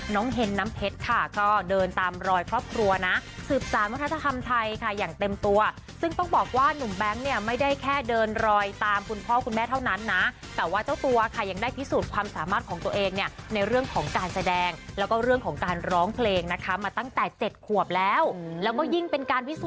เฮนน้ำเพชรค่ะก็เดินตามรอยครอบครัวนะสืบสารวัฒนธรรมไทยค่ะอย่างเต็มตัวซึ่งต้องบอกว่าหนุ่มแบงค์เนี่ยไม่ได้แค่เดินรอยตามคุณพ่อคุณแม่เท่านั้นนะแต่ว่าเจ้าตัวค่ะยังได้พิสูจน์ความสามารถของตัวเองเนี่ยในเรื่องของการแสดงแล้วก็เรื่องของการร้องเพลงนะคะมาตั้งแต่๗ขวบแล้วแล้วก็ยิ่งเป็นการพิสู